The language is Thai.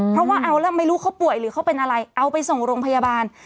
เพราะว่าเอาแล้วไม่รู้เขาป่วยหรือเขาเป็นอะไรเอาไปส่งโรงพยาบาล